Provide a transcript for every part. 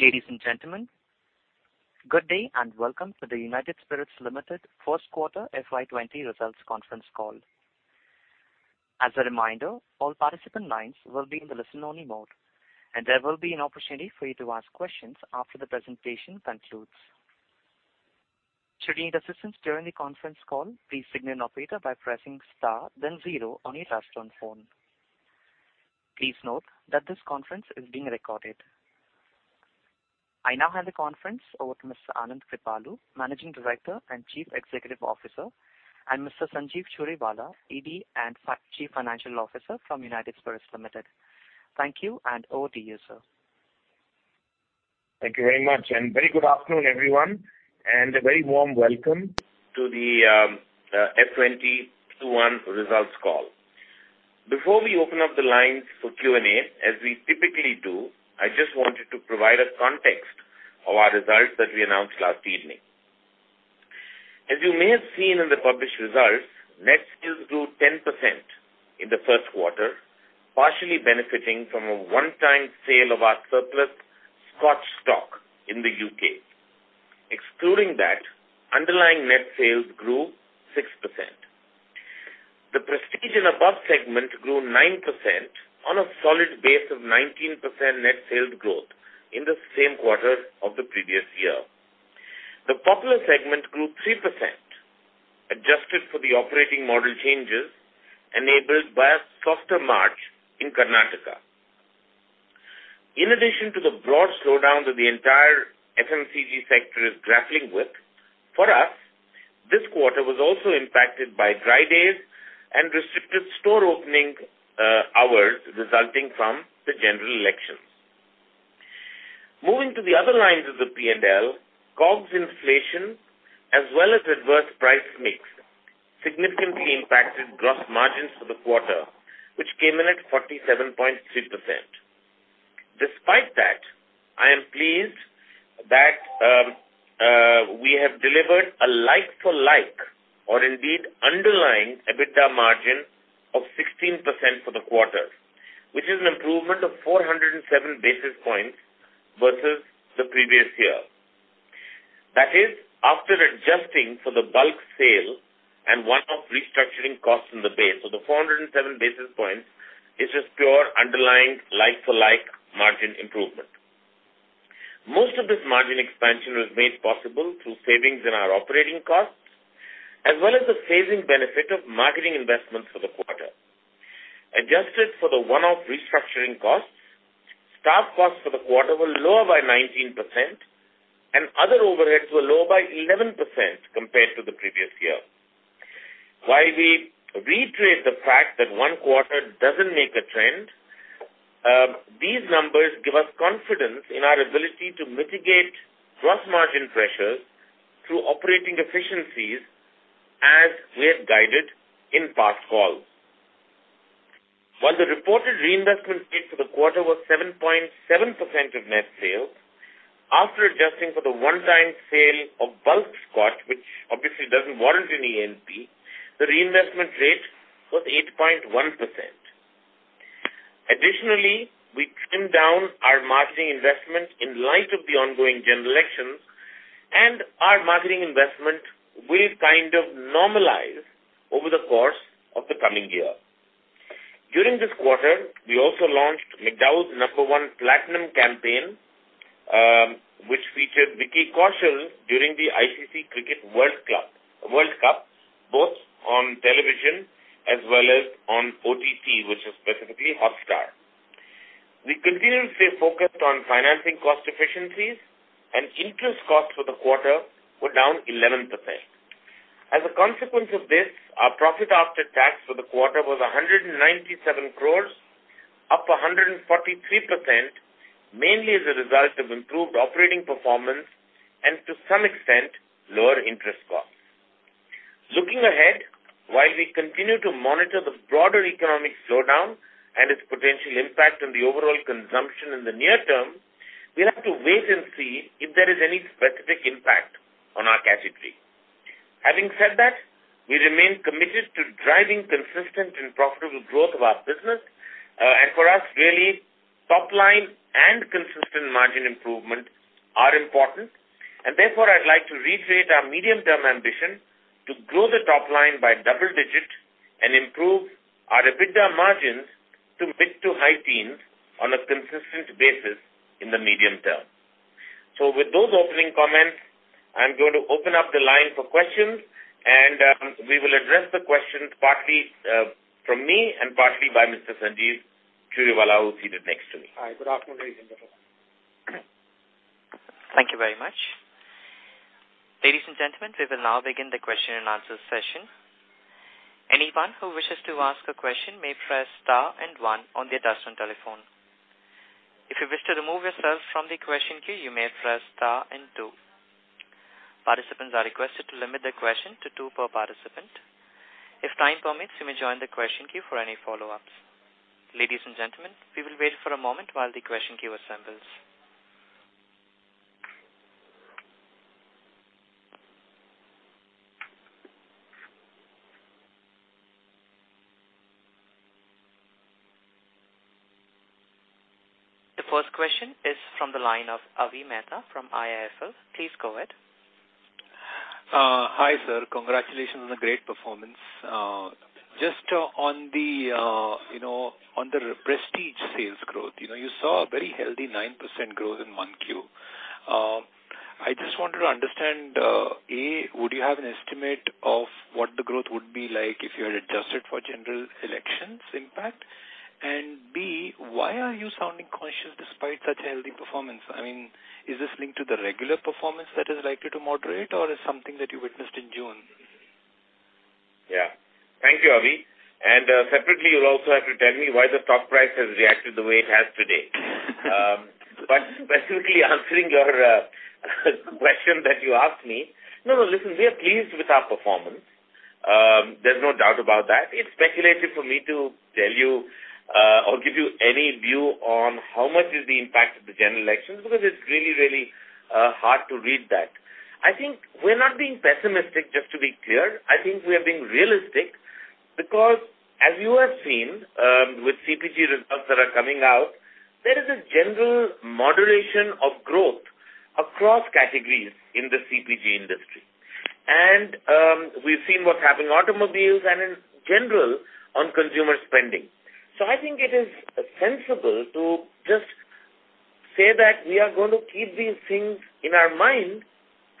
Ladies and gentlemen, good day and welcome to the United Spirits Limited First Quarter FY20 Results Conference Call. As a reminder, all participant lines will be in the listen-only mode, and there will be an opportunity for you to ask questions after the presentation concludes. Should you need assistance during the conference call, please contact the operator by pressing star, then zero on your touch-tone phone. Please note that this conference is being recorded. I now hand the conference over to Mr. Anand Kripalu, Managing Director and Chief Executive Officer, and Mr. Sanjeev Churiwala, ED and Chief Financial Officer from United Spirits Limited. Thank you and over to you, sir. Thank you very much, and very good afternoon, everyone, and a very warm welcome to the FY21 results call. Before we open up the lines for Q&A, as we typically do, I just wanted to provide a context of our results that we announced last evening. As you may have seen in the published results, net sales grew 10% in the first quarter, partially benefiting from a one-time sale of our surplus Scotch stock in the U.K. Excluding that, underlying net sales grew 6%. The prestige and above segment grew 9% on a solid base of 19% net sales growth in the same quarter of the previous year. The popular segment grew 3%, adjusted for the operating model changes enabled by a softer March in Karnataka. In addition to the broad slowdown that the entire FMCG sector is grappling with, for us, this quarter was also impacted by dry days and restricted store opening hours resulting from the general elections. Moving to the other lines of the P&L, COGS inflation, as well as adverse price mix, significantly impacted gross margins for the quarter, which came in at 47.3%. Despite that, I am pleased that we have delivered a like-for-like, or indeed underlying EBITDA margin of 16% for the quarter, which is an improvement of 407 basis points versus the previous year. That is, after adjusting for the bulk sale and one-off restructuring cost in the base. So the 407 basis points is just pure underlying like-for-like margin improvement. Most of this margin expansion was made possible through savings in our operating costs, as well as the phasing benefit of marketing investments for the quarter. Adjusted for the one-off restructuring costs, staff costs for the quarter were lower by 19%, and other overheads were lower by 11% compared to the previous year. While we reiterate the fact that one quarter doesn't make a trend, these numbers give us confidence in our ability to mitigate gross margin pressures through operating efficiencies, as we have guided in past calls. While the reported reinvestment rate for the quarter was 7.7% of net sales, after adjusting for the one-time sale of bulk Scotch, which obviously doesn't warrant any A&P, the reinvestment rate was 8.1%. Additionally, we trimmed down our marketing investment in light of the ongoing general elections, and our marketing investment will kind of normalize over the course of the coming year. During this quarter, we also launched McDowell's No.1 Platinum campaign, which featured Vicky Kaushal during the ICC Cricket World Cup, both on television as well as on OTT, which is specifically Hotstar. We continue to stay focused on finance cost efficiencies, and interest costs for the quarter were down 11%. As a consequence of this, our profit after tax for the quarter was 197 crores, up 143%, mainly as a result of improved operating performance and, to some extent, lower interest costs. Looking ahead, while we continue to monitor the broader economic slowdown and its potential impact on the overall consumption in the near term, we have to wait and see if there is any specific impact on our cash stream. Having said that, we remain committed to driving consistent and profitable growth of our business, and for us, really, top-line and consistent margin improvement are important. And therefore, I'd like to retrace our medium-term ambition to grow the top line by double-digit and improve our EBITDA margins to mid- to high-teens on a consistent basis in the medium term. So with those opening comments, I'm going to open up the line for questions, and we will address the questions partly from me and partly by Mr. Sanjeev Churiwala who's seated next to me. Hi. Good afternoon, ladies and gentlemen. Thank you very much. Ladies and gentlemen, we will now begin the question and answer session. Anyone who wishes to ask a question may press star and one on the adjustment telephone. If you wish to remove yourself from the question queue, you may press star and two. Participants are requested to limit the question to two per participant. If time permits, you may join the question queue for any follow-ups. Ladies and gentlemen, we will wait for a moment while the question queue assembles. The first question is from the line of Avi Mehta from IIFL. Please go ahead. Hi, sir. Congratulations on a great performance. Just on the Prestige sales growth, you saw a very healthy 9% growth in Q1. I just wanted to understand, A, would you have an estimate of what the growth would be like if you had adjusted for general elections impact? And B, why are you sounding cautious despite such a healthy performance? I mean, is this linked to the regular performance that is likely to moderate, or is it something that you witnessed in June? Yeah. Thank you, Avi. And separately, you'll also have to tell me why the stock price has reacted the way it has today. But specifically answering your question that you asked me, no, no, listen, we are pleased with our performance. There's no doubt about that. It's speculative for me to tell you or give you any view on how much is the impact of the general elections because it's really, really hard to read that. I think we're not being pessimistic, just to be clear. I think we are being realistic because, as you have seen with CPG results that are coming out, there is a general moderation of growth across categories in the CPG industry. And we've seen what's happening in automobiles and, in general, on consumer spending. So I think it is sensible to just say that we are going to keep these things in our mind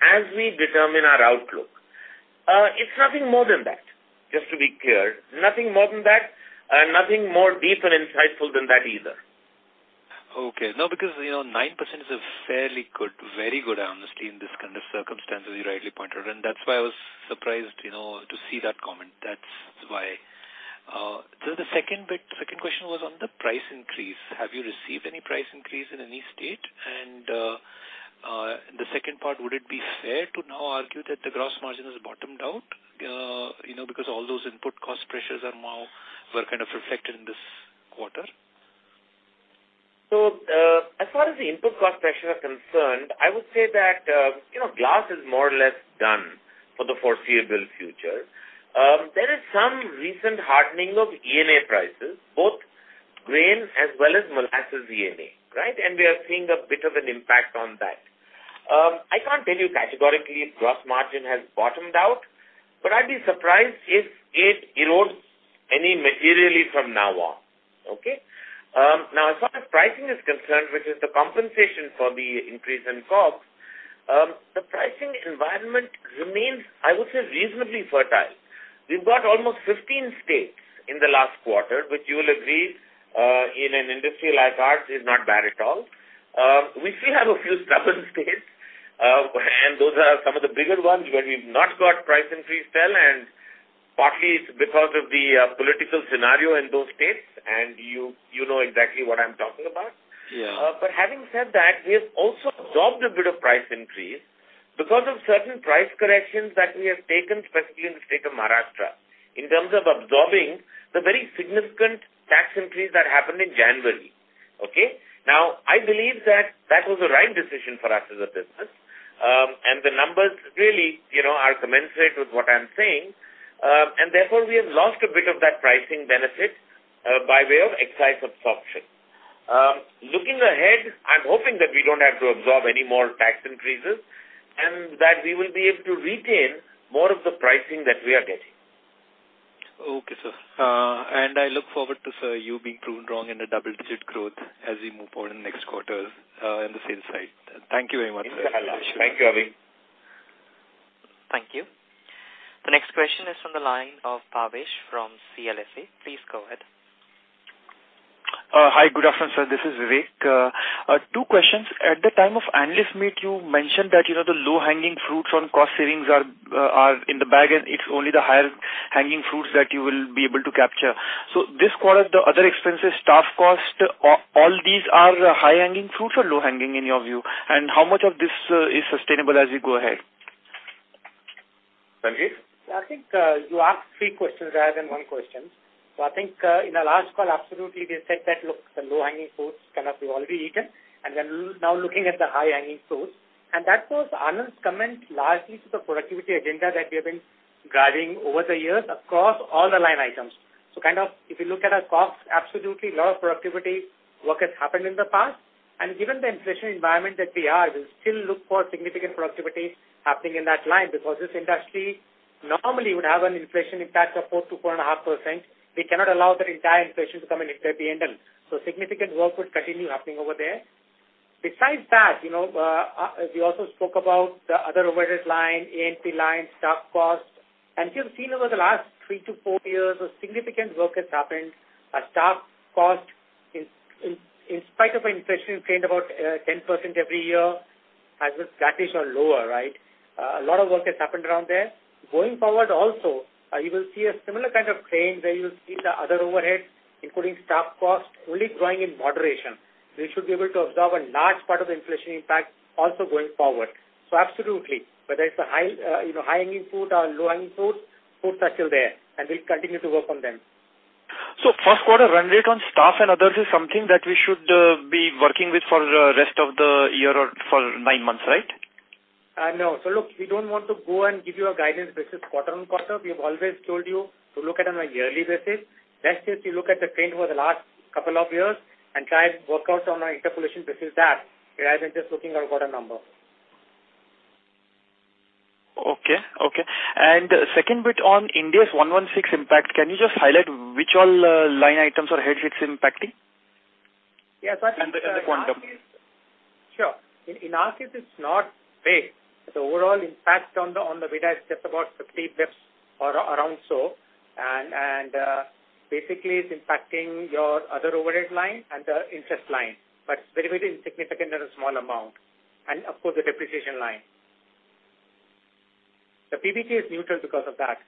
as we determine our outlook. It's nothing more than that, just to be clear. Nothing more than that, nothing more deep and insightful than that either. Okay. No, because 9% is a fairly good, very good, honestly, in this kind of circumstance, as you rightly pointed out. And that's why I was surprised to see that comment. That's why. So the second question was on the price increase. Have you received any price increase in any state? And the second part, would it be fair to now argue that the gross margin has bottomed out because all those input cost pressures were kind of reflected in this quarter? So as far as the input cost pressures are concerned, I would say that glass is more or less done for the foreseeable future. There is some recent hardening of ENA prices, both grain as well as molasses ENA, right? And we are seeing a bit of an impact on that. I can't tell you categorically if gross margin has bottomed out, but I'd be surprised if it erodes any materially from now on, okay? Now, as far as pricing is concerned, which is the compensation for the increase in COGS, the pricing environment remains, I would say, reasonably fertile. We've got almost 15 states in the last quarter, which you will agree in an industry like ours is not bad at all. We still have a few stubborn states, and those are some of the bigger ones where we've not got price increase still, and partly it's because of the political scenario in those states, and you know exactly what I'm talking about. But having said that, we have also absorbed a bit of price increase because of certain price corrections that we have taken, specifically in the state of Maharashtra, in terms of absorbing the very significant tax increase that happened in January, okay? Now, I believe that that was a right decision for us as a business, and the numbers really are commensurate with what I'm saying. And therefore, we have lost a bit of that pricing benefit by way of excise absorption. Looking ahead, I'm hoping that we don't have to absorb any more tax increases and that we will be able to retain more of the pricing that we are getting. Okay, sir. And I look forward to you being proven wrong in the double-digit growth as we move forward in the next quarters in the sales side. Thank you very much. Thank you, Avi. Thank you. The next question is from the line of Vivek from CLSA. Please go ahead. Hi, good afternoon, sir. This is Vivek. Two questions. At the time of analyst meet, you mentioned that the low-hanging fruits on cost savings are in the bag, and it's only the higher-hanging fruits that you will be able to capture. So this quarter, the other expenses, staff cost, all these are high-hanging fruits or low-hanging in your view? And how much of this is sustainable as we go ahead? Sanjeev? Yeah, I think you asked three questions rather than one question. So I think in our last call, absolutely, we said that, look, the low-hanging fruits cannot be already eaten, and we're now looking at the high-hanging fruits. And that was Anand's comment, largely to the productivity agenda that we have been driving over the years across all the line items. So kind of if you look at our costs, absolutely, a lot of productivity work has happened in the past. And given the inflation environment that we are, we'll still look for significant productivity happening in that line because this industry normally would have an inflation impact of 4%-4.5%. We cannot allow that entire inflation to come in P&L. So significant work would continue happening over there. Besides that, we also spoke about the other overhead line, A&P line, stock cost. And we have seen over the last three to four years a significant work has happened. Our stock cost, in spite of inflation, trending about 10% every year, has been flattish or lower, right? A lot of work has happened around there. Going forward also, you will see a similar kind of trend where you'll see the other overhead, including stock cost, only growing in moderation. We should be able to absorb a large part of the inflation impact also going forward. So absolutely, whether it's the high-hanging fruit or low-hanging fruits, fruits are still there, and we'll continue to work on them. So First-Quarter run rate on staff and others is something that we should be working with for the rest of the year or for nine months, right? No. So look, we don't want to go and give you a guidance basis quarter on quarter. We have always told you to look at it on a yearly basis. Let's just look at the trend over the last couple of years and try to work out on an interpolation basis that rather than just looking at a quarter number. Okay. And second bit on Ind AS 116 impact, can you just highlight which all line items or heads are impacting? Yeah, so I think. And the quantum. Sure. In our case, it's not big. The overall impact on the EBITDA is just about 50 basis points or around so. And basically, it's impacting your other overhead line and the interest line, but it's very, very insignificant, a small amount. And of course, the depreciation line. The PBT is neutral because of that.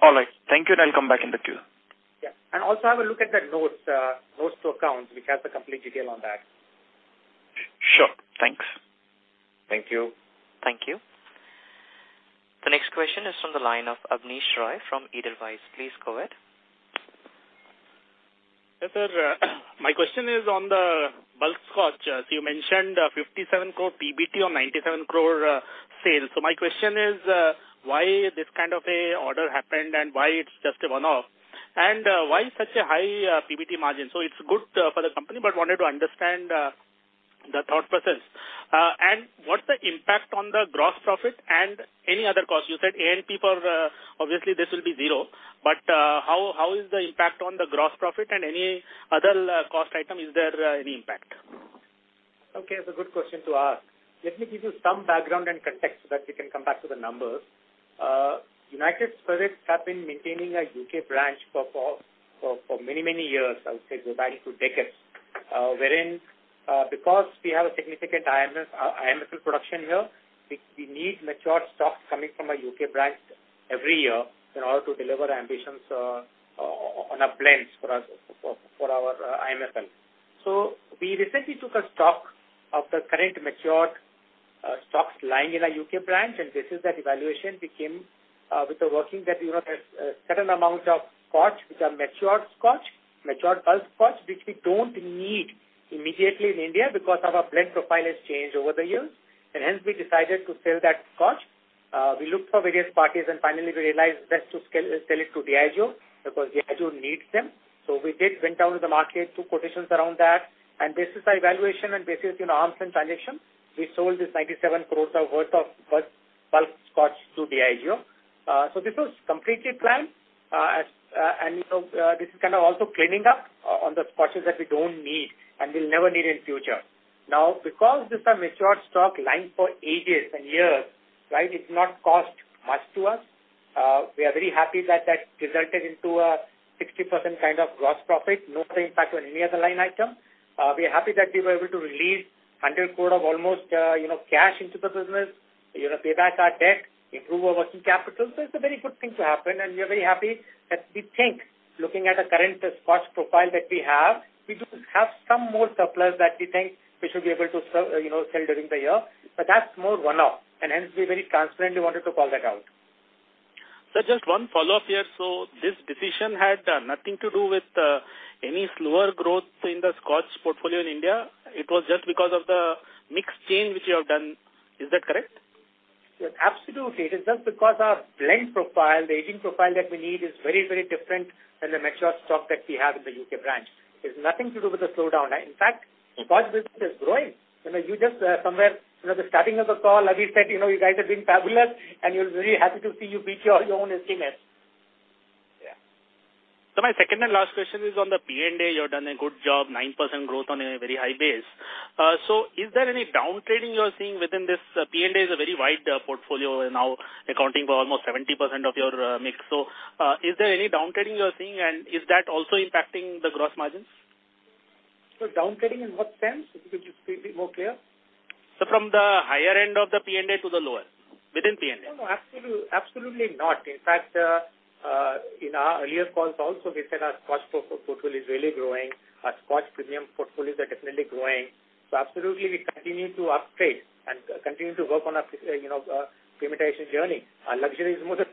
All right. Thank you, and I'll come back in the queue. Yeah. And also, have a look at the notes to accounts. We have the complete detail on that. Sure. Thanks. Thank you. Thank you. The next question is from the line of Abneesh Roy from Edelweiss. Please go ahead. Yes, sir. My question is on the bulk Scotch. So you mentioned 57 crore PBT on 97 crore sales. So my question is, why this kind of an order happened and why it's just a one-off? And why such a high PBT margin? So it's good for the company, but wanted to understand the thought process. And what's the impact on the gross profit and any other cost? You said A&P for obviously, this will be zero, but how is the impact on the gross profit and any other cost item? Is there any impact? Okay. It's a good question to ask. Let me give you some background and context so that we can come back to the numbers. United Spirits have been maintaining a U.K. branch for many, many years, I would say, going back to decades. Wherein because we have a significant IMFL production here, we need matured stock coming from a U.K. branch every year in order to deliver ambitions on a blend for our IMFL. So we recently took a stock of the current matured stocks lying in our U.K. branch, and this is that evaluation became with the working that there's a certain amount of Scotch, which are matured Scotch, matured bulk Scotch, which we don't need immediately in India because our blend profile has changed over the years. And hence, we decided to sell that Scotch. We looked for various parties, and finally, we realized [it was] best to sell it to Diageo because Diageo needs them. We did go down to the market [and] took quotations around that. This is our evaluation and basically arm's length transactions. We sold 97 crores worth of bulk Scotch to Diageo. This was completely planned, and this is kind of also cleaning up on the Scotches that we don't need and will never need in [the] future. Now, because this is a matured stock lying for ages and years, right, it didn't cost much to us. We are very happy that that resulted in a 60% kind of gross profit, [with] no impact on any other line item. We are happy that we were able to release almost 100 crore of cash into the business, pay back our debt, [and] improve our working capital. So it's a very good thing to happen, and we are very happy that we think, looking at the current Scotch profile that we have, we do have some more suppliers that we think we should be able to sell during the year. But that's more one-off, and hence, we very transparently wanted to call that out. Sir, just one follow-up here. So this decision had nothing to do with any slower growth in the Scotch portfolio in India. It was just because of the mix change which you have done. Is that correct? Yes, absolutely. It is just because our blend profile, the aging profile that we need is very, very different than the matured stock that we have in the U.K. branch. It has nothing to do with the slowdown. In fact, Scotch business is growing. You just somewhere at the starting of the call, Avi, said you guys have been fabulous, and we're very happy to see you beat your own estimates. Yeah. So my second and last question is on the A&P. You have done a good job, 9% growth on a very high base. So is there any downtrading you are seeing within this? A&P is a very wide portfolio now, accounting for almost 70% of your mix. So is there any downtrading you are seeing, and is that also impacting the gross margins? So downtrading in what sense? Could you just be more clear? So from the higher end of the A&P to the lower, within A&P. No, no, absolutely not. In fact, in our earlier calls also, we said our Scotch portfolio is really growing. Our Scotch premium portfolios are definitely growing. So absolutely, we continue to uptrade and continue to work on our premiumization journey. Our luxury is more than.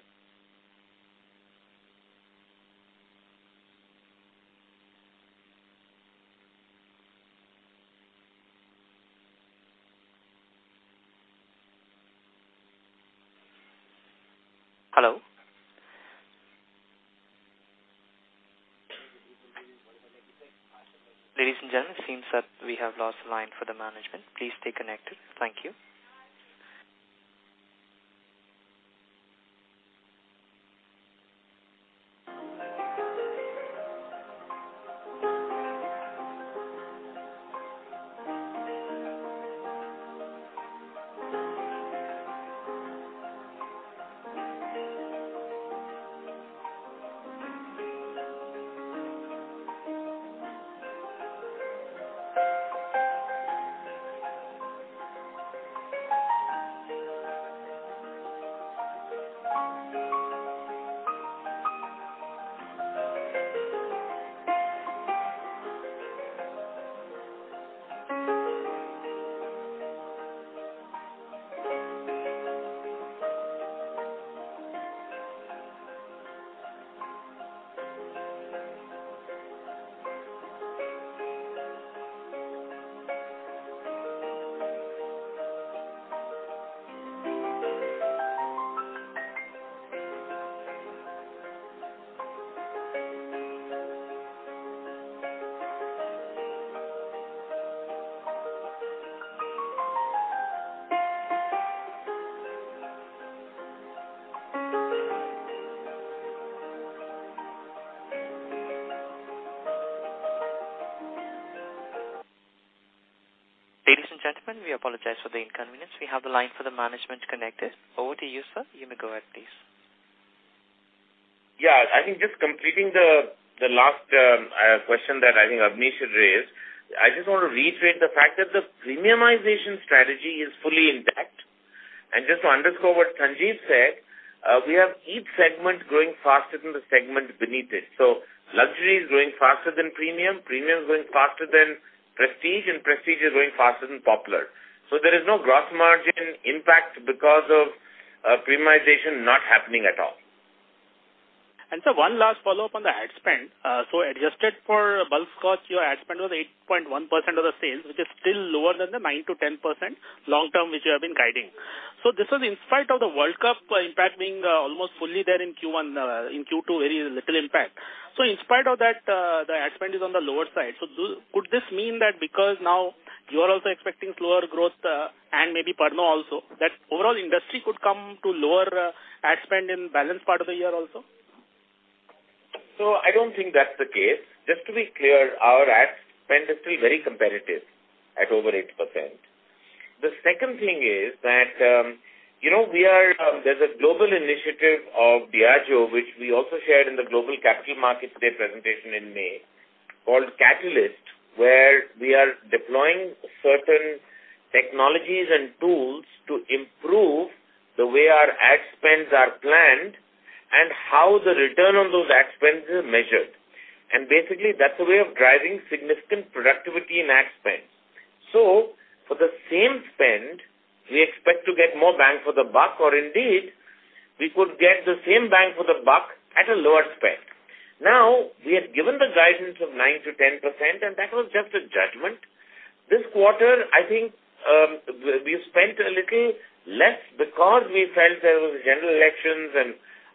Hello? Ladies and gentlemen, it seems that we have lost a line for the management. Please stay connected. Thank you. Ladies and gentlemen, we apologize for the inconvenience. We have the line for the management connected. Over to you, sir. You may go ahead, please. Yeah. I think just completing the last question that I think Abneesh should raise. I just want to reiterate the fact that the premiumization strategy is fully intact. And just to underscore what Sanjeev said, we have each segment growing faster than the segment beneath it. So luxury is growing faster than premium. Premium is growing faster than prestige, and prestige is growing faster than popular. So there is no gross margin impact because of premiumization not happening at all. Sir, one last follow-up on the ad spend. So adjusted for bulk Scotch, your ad spend was 8.1% of the sales, which is still lower than the 9%-10% long-term which you have been guiding. So this was in spite of the World Cup impact being almost fully there in Q1, in Q2, very little impact. So in spite of that, the ad spend is on the lower side. So could this mean that because now you are also expecting slower growth and maybe Pernod also, that overall industry could come to lower ad spend in balance part of the year also? So I don't think that's the case. Just to be clear, our ad spend is still very competitive at over 8%. The second thing is that there's a global initiative of Diageo, which we also shared in the Global Capital Markets Day presentation in May, called Catalyst, where we are deploying certain technologies and tools to improve the way our ad spends are planned and how the return on those ad spends is measured. And basically, that's a way of driving significant productivity in ad spend. So for the same spend, we expect to get more bang for the buck, or indeed, we could get the same bang for the buck at a lower spend. Now, we had given the guidance of 9%-10%, and that was just a judgment. This quarter, I think we spent a little less because we felt there were general elections and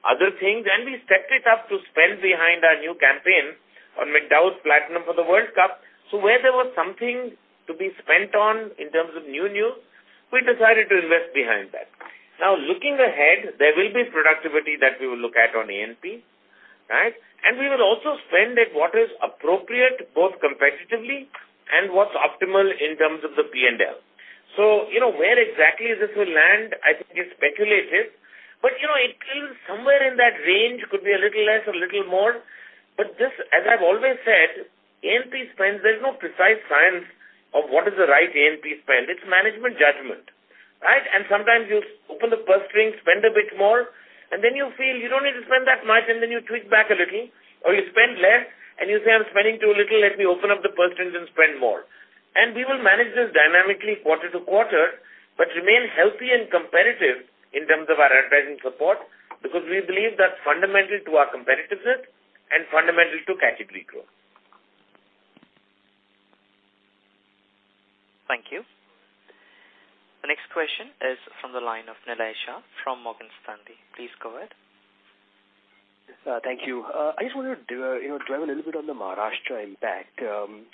other things, and we stepped it up to spend behind our new campaign on McDowell's Platinum for the World Cup. So where there was something to be spent on in terms of new news, we decided to invest behind that. Now, looking ahead, there will be productivity that we will look at on A&P, right? And we will also spend at what is appropriate, both competitively and what's optimal in terms of the P&L. So where exactly this will land, I think is speculative, but it will somewhere in that range, could be a little less, a little more. But just as I've always said, A&P spend, there's no precise science of what is the right A&P spend. It's management judgment, right? And sometimes you open the purse string, spend a bit more, and then you feel you don't need to spend that much, and then you tweak back a little, or you spend less, and you say, "I'm spending too little. Let me open up the purse string and spend more." And we will manage this dynamically quarter to quarter, but remain healthy and competitive in terms of our advertising support because we believe that's fundamental to our competitiveness and fundamental to category growth. Thank you. The next question is from the line of Nillai Shah from Morgan Stanley. Please go ahead. Thank you. I just wanted to drive a little bit on the Maharashtra impact.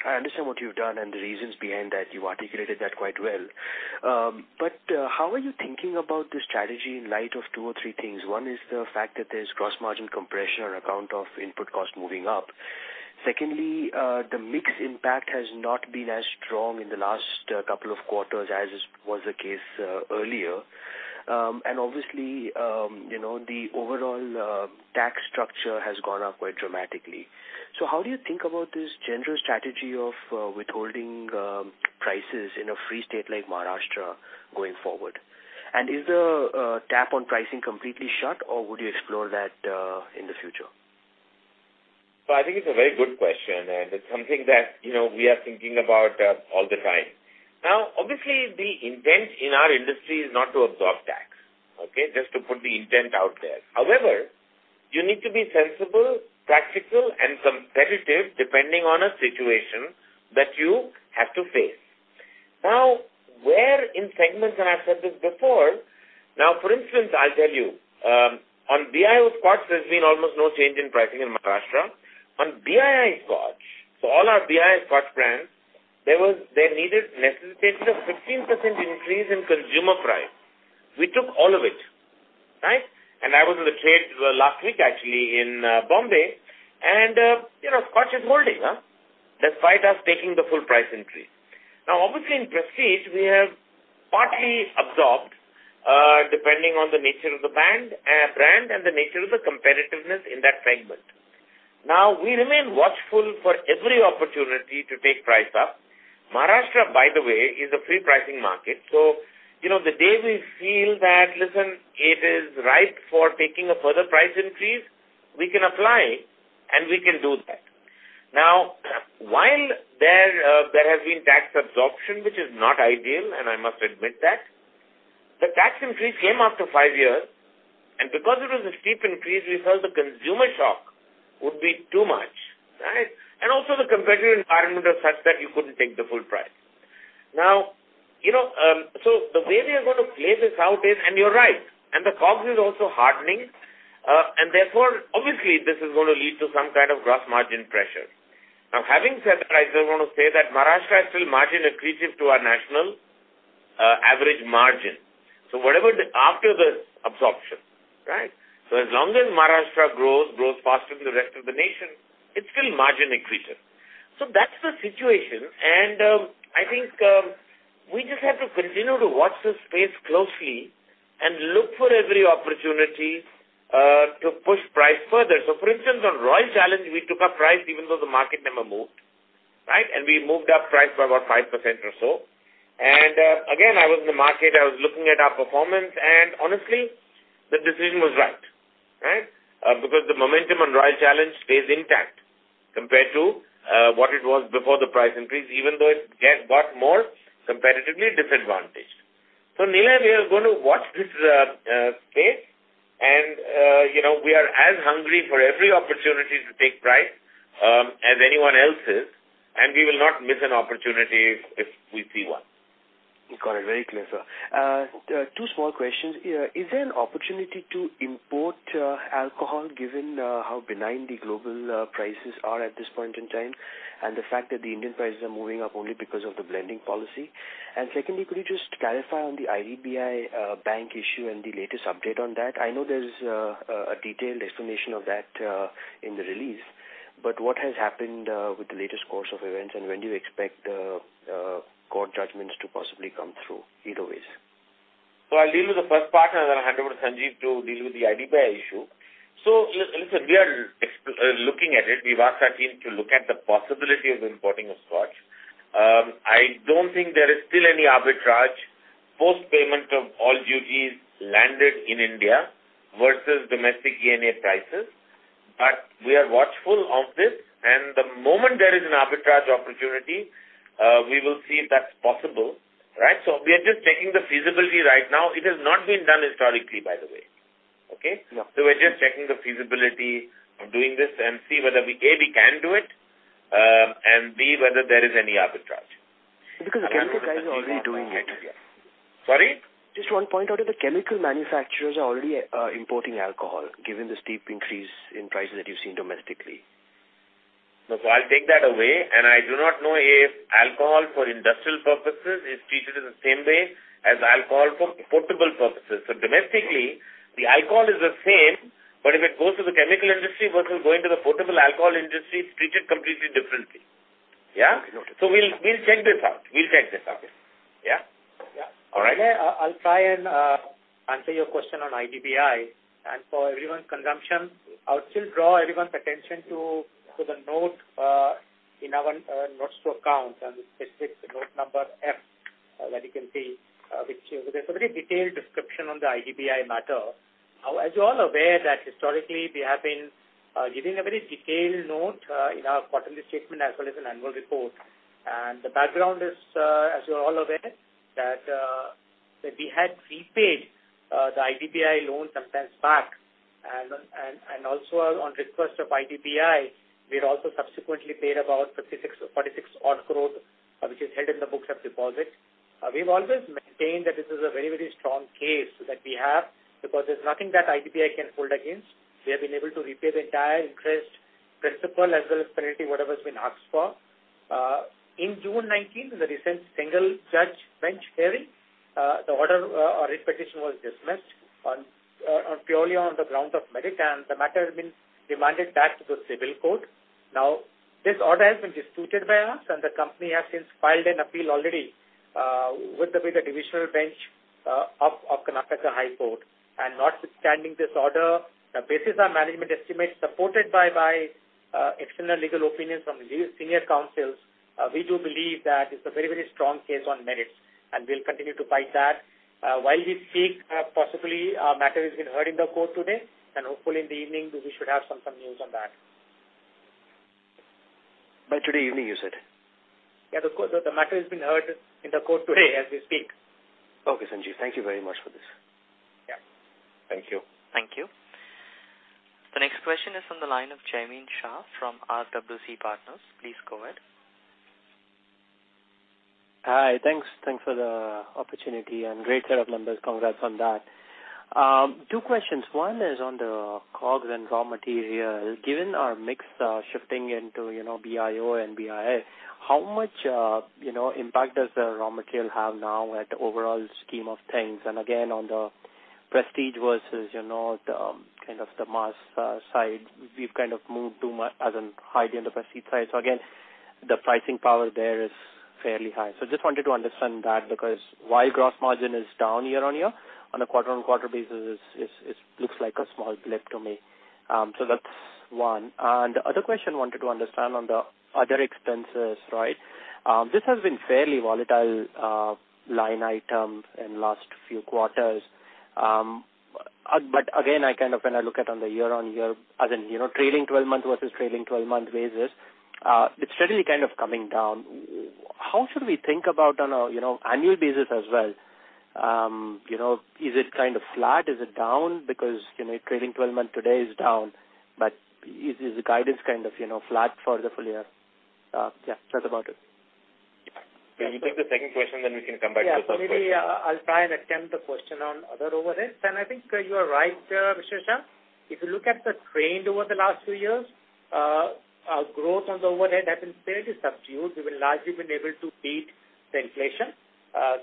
I understand what you've done and the reasons behind that. You've articulated that quite well. But how are you thinking about this strategy in light of two or three things? One is the fact that there's gross margin compression on account of input cost moving up. Secondly, the mix impact has not been as strong in the last couple of quarters as was the case earlier. And obviously, the overall tax structure has gone up quite dramatically. So how do you think about this general strategy of withholding prices in a free state like Maharashtra going forward? And is the tap on pricing completely shut, or would you explore that in the future? So I think it's a very good question, and it's something that we are thinking about all the time. Now, obviously, the intent in our industry is not to absorb tax, okay, just to put the intent out there. However, you need to be sensible, practical, and competitive depending on a situation that you have to face. Now, where in segments, and I've said this before, now, for instance, I'll tell you, on BIO Scotch, there's been almost no change in pricing in Maharashtra. On BII Scotch, so all our BII Scotch brands, there necessitated a 15% increase in consumer price. We took all of it, right? And I was in the trade last week, actually, in Mumbai,, and Scotch is holding, huh, despite us taking the full price increase. Now, obviously, in prestige, we have partly absorbed, depending on the nature of the brand and the nature of the competitiveness in that segment. Now, we remain watchful for every opportunity to take price up. Maharashtra, by the way, is a free pricing market. So the day we feel that, "Listen, it is ripe for taking a further price increase," we can apply, and we can do that. Now, while there has been tax absorption, which is not ideal, and I must admit that, the tax increase came after five years, and because it was a steep increase, we felt the consumer shock would be too much, right? And also the competitive environment was such that you couldn't take the full price. Now, so the way we are going to play this out is, and you're right, and the COGS are also hardening, and therefore, obviously, this is going to lead to some kind of gross margin pressure. Now, having said that, I just want to say that Maharashtra is still margin accretive to our national average margin. So after the absorption, right? So as long as Maharashtra grows, grows faster than the rest of the nation, it's still margin accretive. So that's the situation, and I think we just have to continue to watch this space closely and look for every opportunity to push price further. So, for instance, on Royal Challenge, we took up price even though the market never moved, right? And again, I was in the market. I was looking at our performance, and honestly, the decision was right, right? Because the momentum on Royal Challenge stays intact compared to what it was before the price increase, even though it got more competitively disadvantaged. So, Nillai, we are going to watch this space, and we are as hungry for every opportunity to take price as anyone else is, and we will not miss an opportunity if we see one. Got it. Very clear, sir. Two small questions. Is there an opportunity to import alcohol given how benign the global prices are at this point in time and the fact that the Indian prices are moving up only because of the blending policy? And secondly, could you just clarify on the IDBI Bank issue and the latest update on that? I know there's a detailed explanation of that in the release, but what has happened with the latest course of events, and when do you expect the court judgments to possibly come through either way? I'll deal with the first part, and then I'll hand over to Sanjeev to deal with the IDBI issue. Listen, we are looking at it. We've asked our team to look at the possibility of importing of Scotch. I don't think there is still any arbitrage post-payment of all duties landed in India versus domestic ENA prices, but we are watchful of this. The moment there is an arbitrage opportunity, we will see if that's possible, right? We are just checking the feasibility right now. It has not been done historically, by the way, okay? We're just checking the feasibility of doing this and see whether we A, we can do it, and B, whether there is any arbitrage. Because chemical guys are already doing it. Sorry? Just one point. Are the chemical manufacturers already importing alcohol given the steep increase in prices that you've seen domestically? So I'll take that away, and I do not know if alcohol for industrial purposes is treated in the same way as alcohol for potable purposes. So domestically, the alcohol is the same, but if it goes to the chemical industry versus going to the potable alcohol industry, it's treated completely differently, yeah? So we'll check this out. We'll check this out, yeah? All right? I'll try and answer your question on IDBI and for everyone's consumption. I'll still draw everyone's attention to the note in our notes to account and the specific note number F that you can see, which is a very detailed description on the IDBI matter. As you're all aware, that historically, we have been giving a very detailed note in our quarterly statement as well as an annual report, and the background is, as you're all aware, that we had repaid the IDBI loan some time back, and also on request of IDBI, we had also subsequently paid about 46 odd crore, which is held in the books of deposit. We've always maintained that this is a very, very strong case that we have because there's nothing that IDBI can hold against. We have been able to repay the entire interest, principal as well as penalty, whatever has been asked for. In June 19, in the recent single judge bench hearing, the order of restitution was dismissed purely on the grounds of merit, and the matter has been remanded back to the civil court. Now, this order has been disputed by us, and the company has since filed an appeal already with the divisional bench of Karnataka High Court. And notwithstanding this order, the basis of management estimates supported by external legal opinions from senior counsels, we do believe that it's a very, very strong case on merit, and we'll continue to fight that. While we speak, possibly a matter has been heard in the court today, and hopefully in the evening, we should have some news on that. By today evening, you said? Yeah, the matter has been heard in the court today as we speak. Okay, Sanjeev. Thank you very much for this. Yeah. Thank you. Thank you. The next question is from the line of Jaimin Shah from RWC Partners. Please go ahead. Hi. Thanks. Thanks for the opportunity and great set of numbers. Congrats on that. Two questions. One is on the COGS and raw material. Given our mix shifting into BIO and BII, how much impact does the raw material have now at the overall scheme of things? And again, on the prestige versus kind of the mass side, we've kind of moved too much as an idea on the prestige side. So again, the pricing power there is fairly high. So I just wanted to understand that because while gross margin is down year on year, on a quarter-on-quarter basis, it looks like a small blip to me. So that's one. And the other question I wanted to understand on the other expenses, right? This has been fairly volatile line item in the last few quarters. But again, I kind of, when I look at on the year-on-year, as in trailing 12-month versus trailing 12-month basis, it's steadily kind of coming down. How should we think about on an annual basis as well? Is it kind of flat? Is it down? Because trailing 12-month today is down, but is the guidance kind of flat for the full year? Yeah, that's about it. Can you take the second question, then we can come back to the third question? Yeah, maybe I'll try and attempt the question on other overheads. I think you are right, Mr. Shah. If you look at the trend over the last few years, our growth on the overhead has been fairly subdued. We've largely been able to beat the inflation,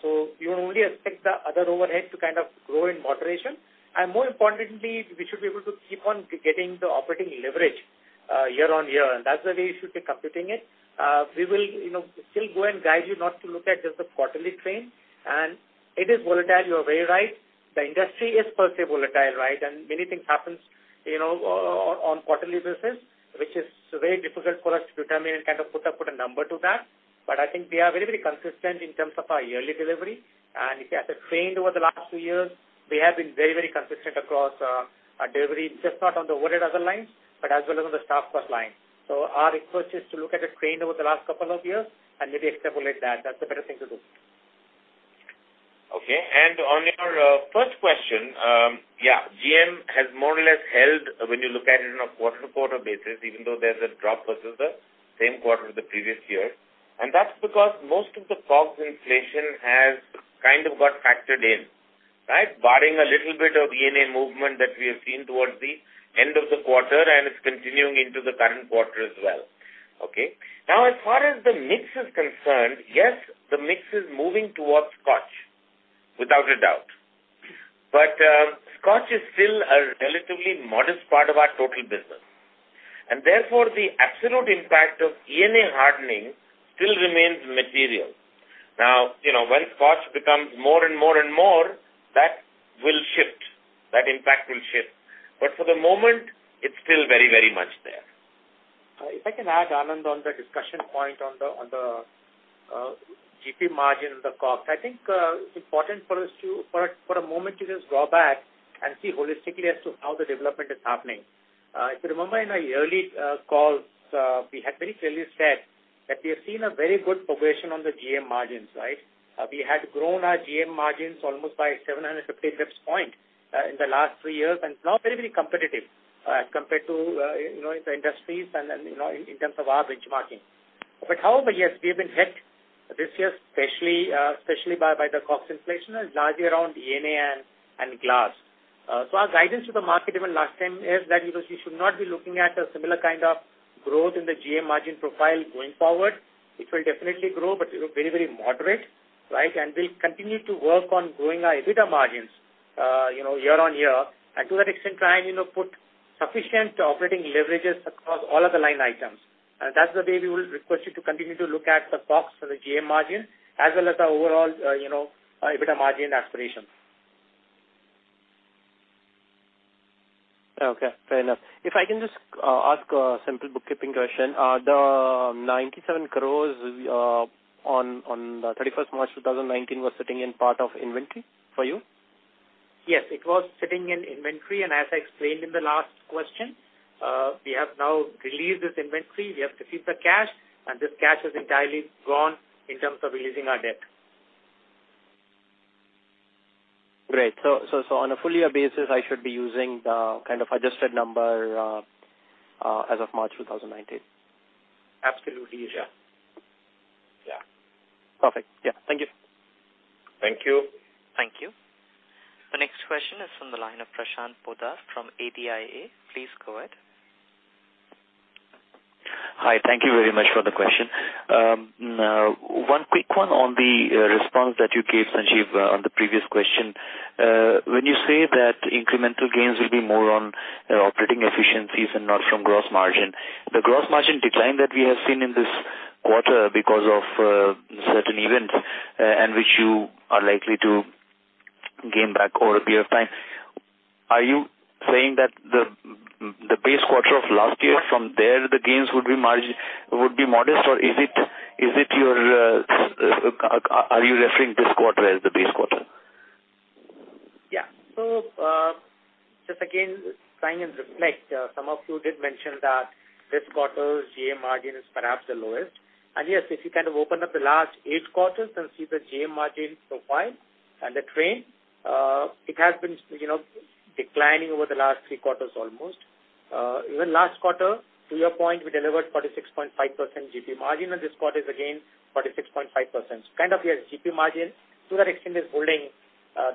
so you only expect the other overhead to kind of grow in moderation. More importantly, we should be able to keep on getting the operating leverage year on year. That's the way we should be computing it. We will still go and guide you not to look at just the quarterly trend. It is volatile. You're very right. The industry is per se volatile, right? Many things happen on quarterly basis, which is very difficult for us to determine and kind of put a number to that. But I think we are very, very consistent in terms of our yearly delivery. And if you ask the trend over the last few years, we have been very, very consistent across our delivery, just not on the overhead other lines, but as well as on the stock cost line. So our approach is to look at the trend over the last couple of years and maybe extrapolate that. That's the better thing to do. Okay. And on your first question, yeah, GM has more or less held when you look at it on a quarter-to-quarter basis, even though there's a drop versus the same quarter of the previous year. And that's because most of the COGS inflation has kind of got factored in, right? Barring a little bit of ENA movement that we have seen towards the end of the quarter, and it's continuing into the current quarter as well. Okay. Now, as far as the mix is concerned, yes, the mix is moving towards Scotch, without a doubt. But Scotch is still a relatively modest part of our total business. And therefore, the absolute impact of ENA hardening still remains material. Now, when Scotch becomes more and more and more, that will shift. That impact will shift. But for the moment, it's still very, very much there. If I can add, Anand, on the discussion point on the GP margin and the COGS, I think it's important for us to, for a moment, to just draw back and see holistically as to how the development is happening. If you remember in our early calls, we had very clearly said that we have seen a very good progression on the GM margins, right? We had grown our GM margins almost by 750 basis points in the last three years, and it's now very, very competitive compared to the industries and in terms of our benchmarking. But however, yes, we have been hit this year, especially by the COGS inflation, and largely around ENA and glass. So our guidance to the market even last time is that we should not be looking at a similar kind of growth in the GM margin profile going forward. It will definitely grow, but very, very moderate, right? And we'll continue to work on growing our EBITDA margins year on year. And to that extent, try and put sufficient operating leverages across all other line items. And that's the way we will request you to continue to look at the COGS and the GM margin as well as the overall EBITDA margin aspiration. Okay. Fair enough. If I can just ask a simple bookkeeping question, the 97 crores on the 31st March 2019 was sitting in part of inventory for you? Yes, it was sitting in inventory. And as I explained in the last question, we have now released this inventory. We have received the cash, and this cash has entirely gone in terms of releasing our debt. Great. So on a full-year basis, I should be using the kind of adjusted number as of March 2019? Absolutely, yeah. Perfect. Yeah. Thank you. Thank you. Thank you. The next question is from the line of Prashant Poddar from ADIA. Please go ahead. Hi. Thank you very much for the question. One quick one on the response that you gave, Sanjeev, on the previous question. When you say that incremental gains will be more on operating efficiencies and not from gross margin, the gross margin decline that we have seen in this quarter because of certain events and which you are likely to gain back over a period of time, are you saying that the base quarter of last year, from there, the gains would be modest, or is it you are referring this quarter as the base quarter? Yeah. So just again, trying to reflect, some of you did mention that this quarter's GM margin is perhaps the lowest. Yes, if you kind of open up the last eight quarters and see the GM margin profile and the trend, it has been declining over the last three quarters almost. Even last quarter, to your point, we delivered 46.5% GP margin, and this quarter is again 46.5%. So kind of, yes, GP margin to that extent is holding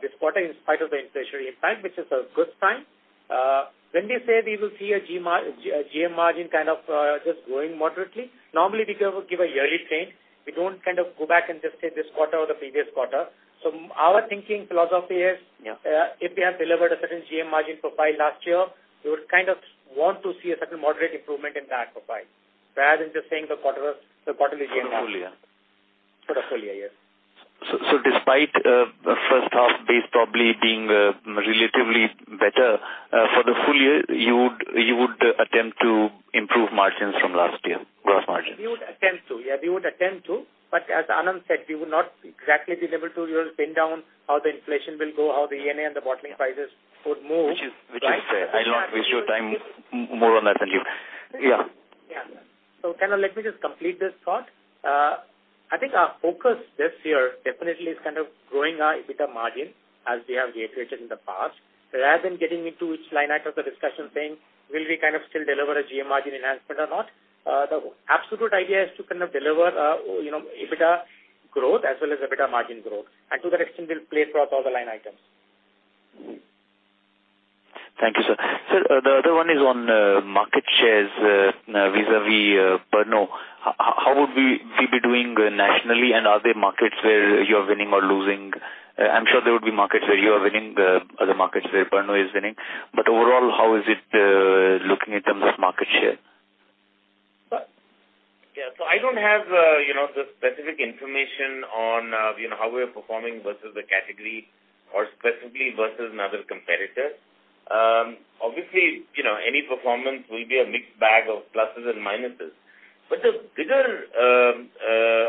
this quarter in spite of the inflationary impact, which is a good sign. When we say we will see a GM margin kind of just growing moderately, normally we give a yearly trend. We don't kind of go back and just say this quarter or the previous quarter. So our thinking philosophy is if we have delivered a certain GM margin profile last year, we would kind of want to see a certain moderate improvement in that profile rather than just saying the quarterly GM margin. For the full year. For the full year, yes. So despite the first half base probably being relatively better, for the full year, you would attempt to improve margins from last year, gross margins? We would attempt to, yeah. But as Anand said, we would not exactly be able to pin down how the inflation will go, how the ENA and the bottling prices would move. Which is fair. I'll not waste your time more on that, Sanjeev. Yeah. Yeah. So kind of let me just complete this thought. I think our focus this year definitely is kind of growing our EBITDA margin as we have reiterated in the past, rather than getting into each line item of the discussion saying, "Will we kind of still deliver a GM margin enhancement or not?" The absolute idea is to kind of deliver EBITDA growth as well as EBITDA margin growth. And to that extent, we'll play across all the line items. Thank you, sir. Sir, the other one is on market shares vis-à-vis Pernod Ricard. How would we be doing nationally, and are there markets where you're winning or losing? I'm sure there would be markets where you are winning, other markets where Pernod Ricard is winning. But overall, how is it looking in terms of market share? Yeah, so I don't have the specific information on how we are performing versus the category or specifically versus another competitor. Obviously, any performance will be a mixed bag of pluses and minuses, but the bigger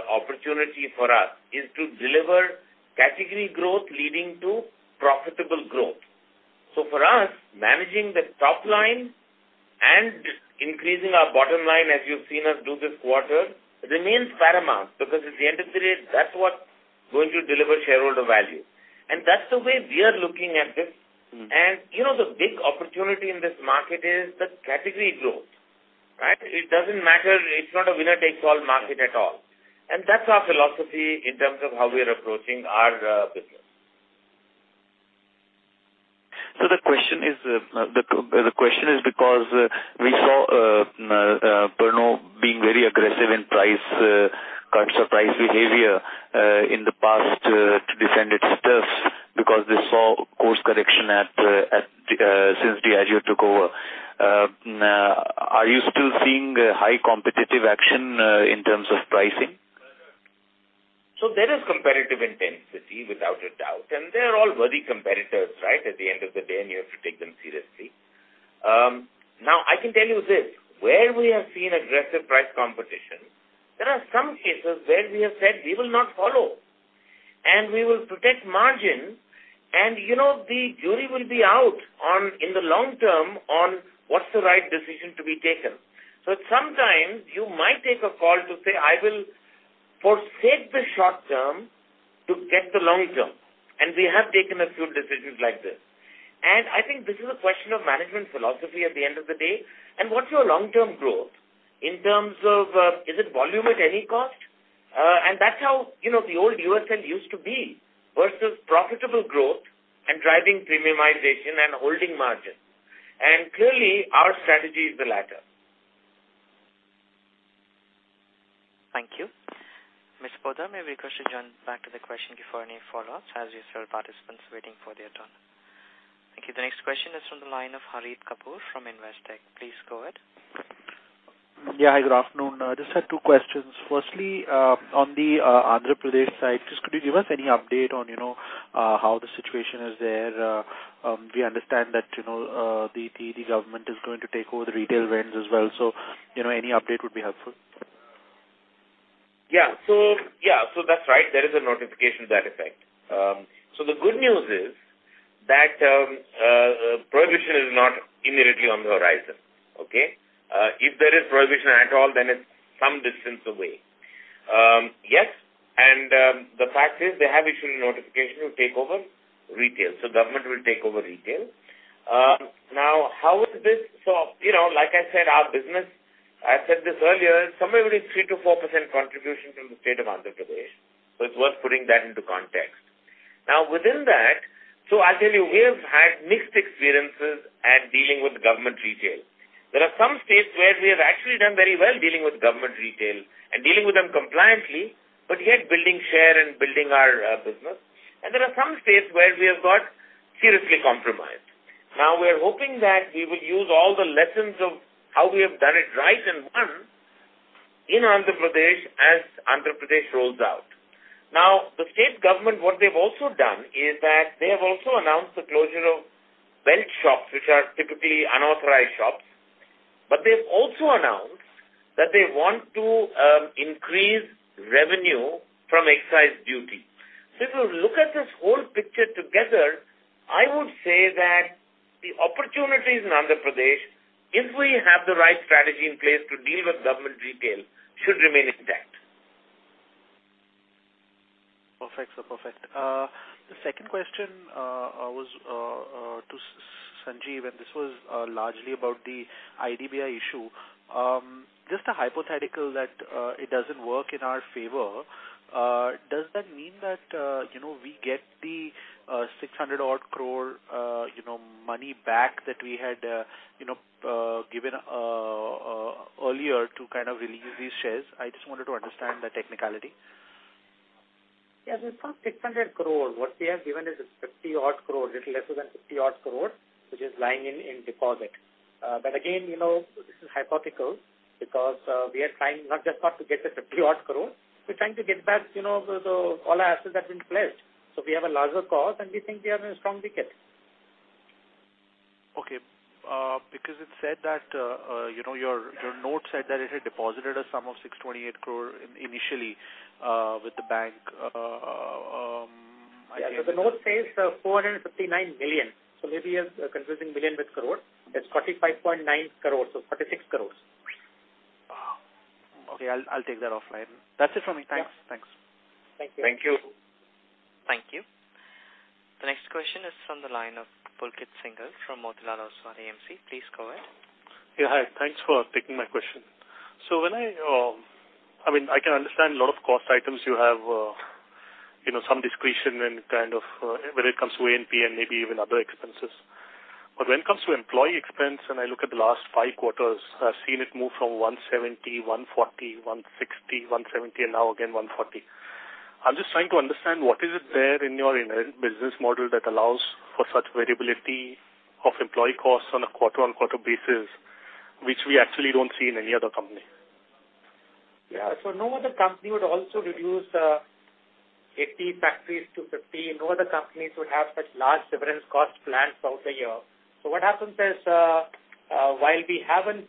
opportunity for us is to deliver category growth leading to profitable growth. So for us, managing the top line and increasing our bottom line, as you've seen us do this quarter, remains paramount because at the end of the day, that's what's going to deliver shareholder value, and that's the way we are looking at this. And the big opportunity in this market is the category growth, right? It doesn't matter. It's not a winner-takes-all market at all, and that's our philosophy in terms of how we are approaching our business. The question is because we saw Pernod Ricard being very aggressive in price, kind of surprise behavior in the past to defend its stuff because they saw a course correction since Diageo took over. Are you still seeing high competitive action in terms of pricing? So there is competitive intensity, without a doubt. And they're all worthy competitors, right? At the end of the day, and you have to take them seriously. Now, I can tell you this. Where we have seen aggressive price competition, there are some cases where we have said we will not follow. And we will protect margin, and the jury will be out in the long term on what's the right decision to be taken. So sometimes you might take a call to say, "I will forsake the short term to get the long term." And we have taken a few decisions like this. And I think this is a question of management philosophy at the end of the day. And what's your long-term growth in terms of is it volume at any cost? And that's how the old USL used to be versus profitable growth and driving premiumization and holding margin. And clearly, our strategy is the latter. Thank you. Mr. Poddar, may we question you on back to the question before any follow-ups as you saw the participants waiting for their turn? Thank you. The next question is from the line of Harit Kapoor from Investec. Please go ahead. Yeah. Hi, good afternoon. I just had two questions. Firstly, on the Andhra Pradesh side, just could you give us any update on how the situation is there? We understand that the government is going to take over the retail vendors as well. So any update would be helpful. Yeah, so that's right. There is a notification to that effect. So the good news is that prohibition is not immediately on the horizon, okay? If there is prohibition at all, then it's some distance away. Yes, and the fact is they have issued a notification to take over retail. So government will take over retail. Now, how is this? So like I said, our business, I said this earlier, somewhere between 3%-4% contribution from the state of Andhra Pradesh. So it's worth putting that into context. Now, within that, so I'll tell you, we have had mixed experiences at dealing with government retail. There are some states where we have actually done very well dealing with government retail and dealing with them compliantly, but yet building share and building our business, and there are some states where we have got seriously compromised. Now, we are hoping that we will use all the lessons of how we have done it right and won in Andhra Pradesh as Andhra Pradesh rolls out. Now, the state government, what they've also done is that they have also announced the closure of belt shops, which are typically unauthorized shops. But they've also announced that they want to increase revenue from excise duty. So if you look at this whole picture together, I would say that the opportunities in Andhra Pradesh, if we have the right strategy in place to deal with government retail, should remain intact. Perfect. So perfect. The second question was to Sanjeev, and this was largely about the IDBI issue. Just a hypothetical that it doesn't work in our favor, does that mean that we get the 600-odd crore money back that we had given earlier to kind of release these shares? I just wanted to understand the technicality. Yeah. We've got 600 crore. What we have given is 50-odd crore, a little less than 50-odd crore, which is lying in deposit. But again, this is hypothetical because we are trying not just not to get the 50-odd crore, we're trying to get back all our assets that have been pledged. So we have a larger cause, and we think we have a strong ticket. Okay. Because it said that your note said that it had deposited a sum of 628 crore initially with the bank. Yeah. So the note says 459 million. So maybe a confusing million with crore. It's 45.9 crore. So 46 crores. Okay. I'll take that offline. That's it from me. Thanks. Thanks. Thank you. Thank you. Thank you. The next question is from the line of Pulkit Singhal from Motilal Oswal AMC. Please go ahead. Yeah. Hi. Thanks for taking my question. So when I—I mean, I can understand a lot of cost items you have some discretion in kind of when it comes to A&P and maybe even other expenses. But when it comes to employee expense, and I look at the last five quarters, I've seen it move from 170, 140, 160, 170, and now again 140. I'm just trying to understand what is it there in your business model that allows for such variability of employee costs on a quarter-on-quarter basis, which we actually don't see in any other company? Yeah. So no other company would also reduce 80 factories to 50. No other companies would have such large severance cost plans throughout the year. So what happens is while we have a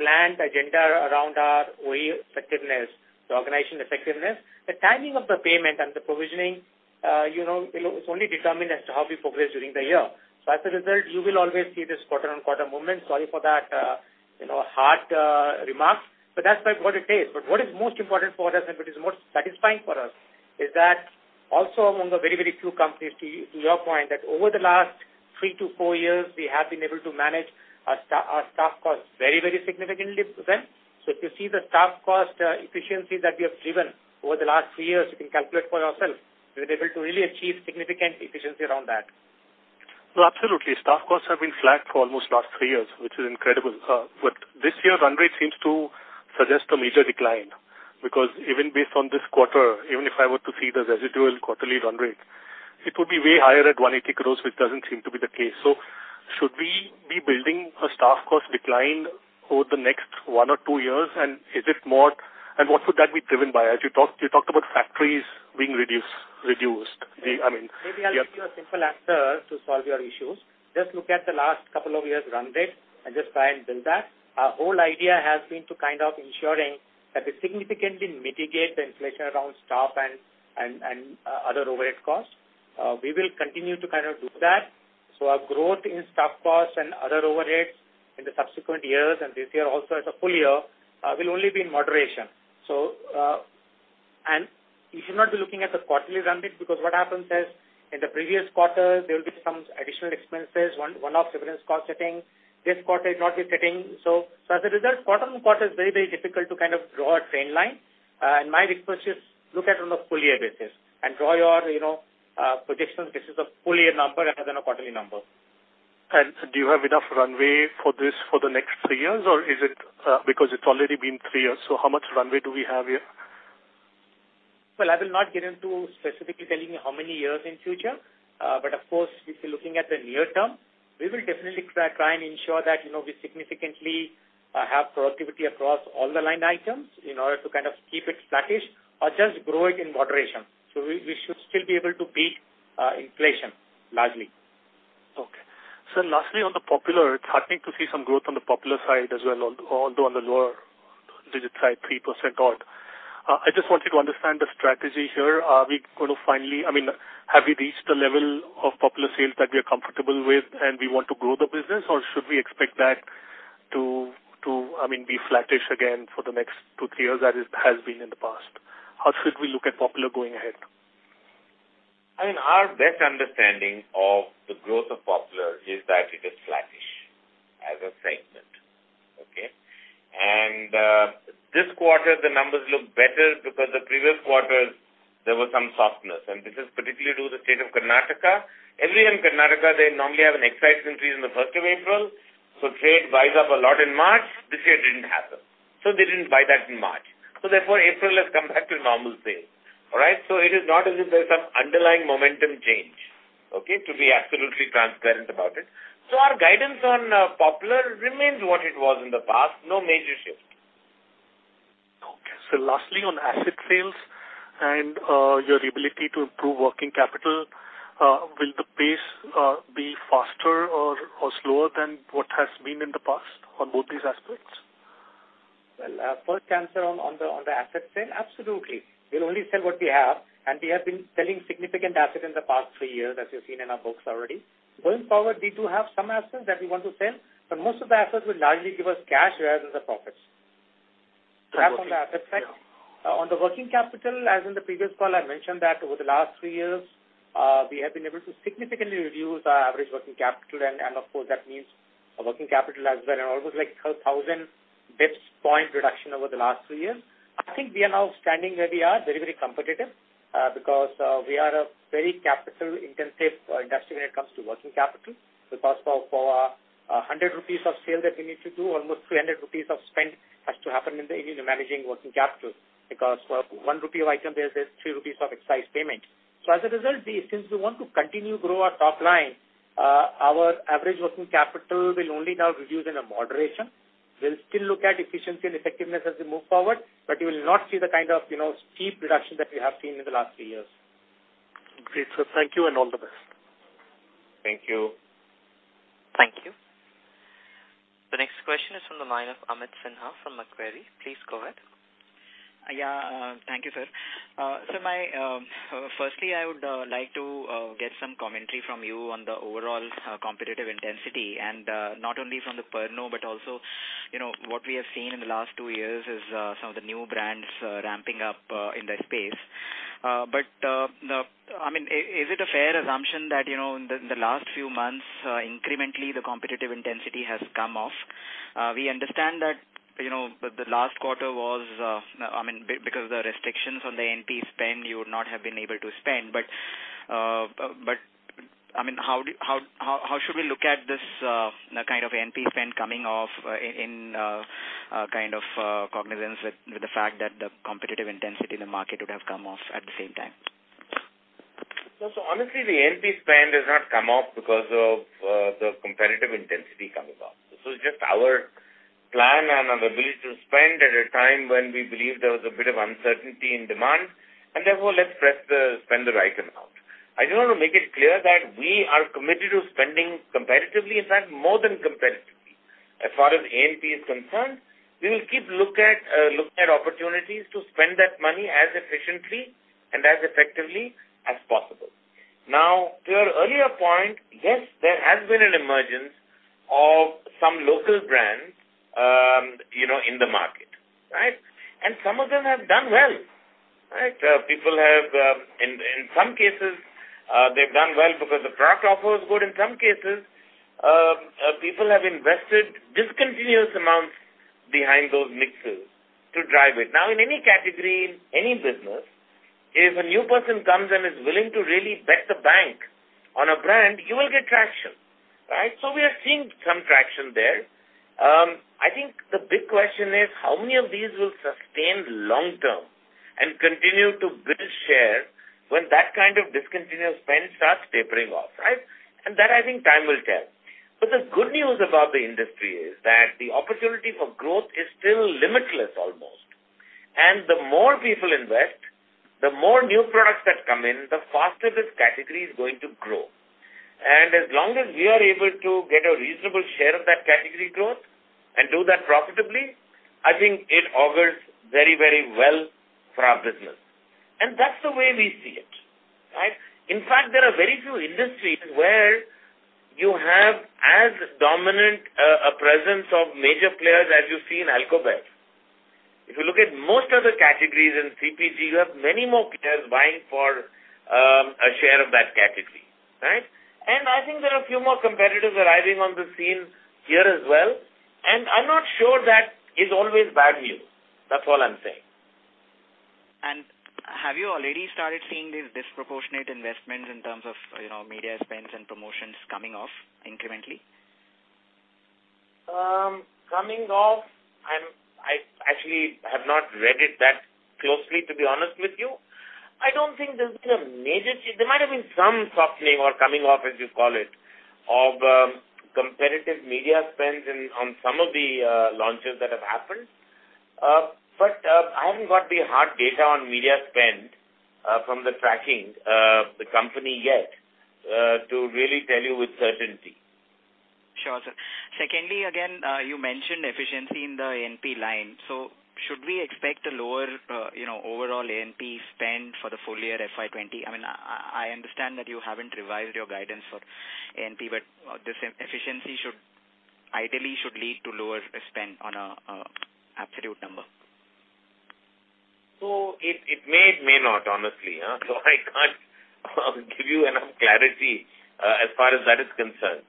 planned agenda around our OE effectiveness, the organization effectiveness, the timing of the payment and the provisioning is only determined as to how we progress during the year. So as a result, you will always see this quarter-on-quarter movement. Sorry for that hard remark. But that's what it is. But what is most important for us, and what is most satisfying for us, is that also among the very, very few companies, to your point, that over the last three to four years, we have been able to manage our staff costs very, very significantly then. So if you see the staff cost efficiency that we have driven over the last three years, you can calculate for yourself. We've been able to really achieve significant efficiency around that. Absolutely. Staff costs have been flat for almost the last three years, which is incredible. But this year, run rate seems to suggest a major decline because even based on this quarter, even if I were to see the residual quarterly run rate, it would be way higher at 180 crores, which doesn't seem to be the case. So should we be building a staff cost decline over the next one or two years, and is it more? And what would that be driven by? You talked about factories being reduced. I mean. Maybe I'll give you a simple answer to solve your issues. Just look at the last couple of years' run rate and just try and build that. Our whole idea has been to kind of ensure that we significantly mitigate the inflation around staff and other overhead costs. We will continue to kind of do that. So our growth in staff costs and other overheads in the subsequent years, and this year also as a full year, will only be in moderation. And you should not be looking at the quarterly run rate because what happens is in the previous quarter, there will be some additional expenses, one-off severance cost setting. This quarter, it's not the setting. So as a result, quarter-on-quarter is very, very difficult to kind of draw a trend line. My request is, look at it on a full-year basis and draw your projections based on a full-year number rather than a quarterly number. Do you have enough runway for this for the next three years, or is it because it's already been three years? How much runway do we have here? I will not get into specifically telling you how many years in future. But of course, if you're looking at the near term, we will definitely try and ensure that we significantly have productivity across all the line items in order to kind of keep it flattish or just grow it in moderation. So we should still be able to beat inflation largely. Okay. So lastly, on the Popular, it's happening to see some growth on the Popular side as well, although on the lower digit side, 3% odd. I just wanted to understand the strategy here. Are we going to finally, I mean, have we reached the level of Popular sales that we are comfortable with, and we want to grow the business, or should we expect that to, I mean, be flattish again for the next two, three years as it has been in the past? How should we look at Popular going ahead? I mean, our best understanding of the growth of Popular is that it is flattish as a segment, okay? And this quarter, the numbers look better because the previous quarter, there was some softness. And this is particularly due to the state of Karnataka. Every year in Karnataka, they normally have an excise increase on the 1st of April. So trade buys up a lot in March. This year didn't happen. So therefore, April has come back to normal sales, all right? So it is not as if there's some underlying momentum change, okay, to be absolutely transparent about it. So our guidance on Popular remains what it was in the past. No major shift. Okay. So lastly, on asset sales and your ability to improve working capital, will the pace be faster or slower than what has been in the past on both these aspects? Well, first answer on the asset sale, absolutely. We'll only sell what we have. And we have been selling significant assets in the past three years, as you've seen in our books already. Going forward, we do have some assets that we want to sell, but most of the assets will largely give us cash rather than the profits. On the. On the working capital, as in the previous call, I mentioned that over the last three years, we have been able to significantly reduce our average working capital. And of course, that means working capital as well, and almost like 12,000 basis points reduction over the last three years. I think we are now standing where we are, very, very competitive because we are a very capital-intensive industry when it comes to working capital. Because for our 100 rupees of sale that we need to do, almost 300 rupees of spend has to happen in managing working capital because for 1 rupee of item, there's 3 rupees of excise payment. So as a result, since we want to continue to grow our top line, our average working capital will only now reduce in a moderation. We'll still look at efficiency and effectiveness as we move forward, but you will not see the kind of steep reduction that we have seen in the last three years. Great, so thank you, and all the best. Thank you. Thank you. The next question is from the line of Amit Sinha from Macquarie. Please go ahead. Yeah. Thank you, sir. So firstly, I would like to get some commentary from you on the overall competitive intensity. And not only from the Pernod, but also what we have seen in the last two years is some of the new brands ramping up in the space. But I mean, is it a fair assumption that in the last few months, incrementally, the competitive intensity has come off? We understand that the last quarter was, I mean, because of the restrictions on the A&P spend, you would not have been able to spend. But I mean, how should we look at this kind of A&P spend coming off in kind of cognizance with the fact that the competitive intensity in the market would have come off at the same time? Honestly, the A&P spend has not come off because of the competitive intensity coming off. This was just our plan and our ability to spend at a time when we believed there was a bit of uncertainty in demand. And therefore, let's spend the right amount. I just want to make it clear that we are committed to spending competitively, in fact, more than competitively. As far as A&P is concerned, we will keep looking at opportunities to spend that money as efficiently and as effectively as possible. Now, to your earlier point, yes, there has been an emergence of some local brands in the market, right? And some of them have done well, right? In some cases, they've done well because the product offer was good. In some cases, people have invested discontinuous amounts behind those mixes to drive it. Now, in any category, in any business, if a new person comes and is willing to really bet the bank on a brand, you will get traction, right? So we are seeing some traction there. I think the big question is how many of these will sustain long-term and continue to build share when that kind of discontinuous spend starts tapering off, right? And that, I think, time will tell. But the good news about the industry is that the opportunity for growth is still limitless almost. And the more people invest, the more new products that come in, the faster this category is going to grow. And as long as we are able to get a reasonable share of that category growth and do that profitably, I think it augurs very, very well for our business. And that's the way we see it, right? In fact, there are very few industries where you have as dominant a presence of major players as you see in Alco-Bev. If you look at most other categories in CPG, you have many more players vying for a share of that category, right? And I think there are a few more competitors arriving on the scene here as well. And I'm not sure that is always bad news. That's all I'm saying. Have you already started seeing these disproportionate investments in terms of media spends and promotions coming off incrementally? Coming off? I actually have not read it that closely, to be honest with you. I don't think there's been a major change. There might have been some softening or coming off, as you call it, of competitive media spends on some of the launches that have happened. But I haven't got the hard data on media spend from the tracking the company yet, to really tell you with certainty. Sure. Secondly, again, you mentioned efficiency in the ANP line. So should we expect a lower overall ANP spend for the full-year FY20? I mean, I understand that you haven't revised your guidance for ANP, but this efficiency ideally should lead to lower spend on an absolute number. So it may or may not, honestly. So I can't give you enough clarity as far as that is concerned.